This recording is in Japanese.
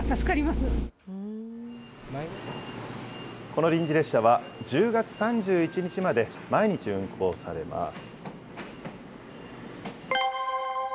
この臨時列車は１０月３１日まで毎日運行されます。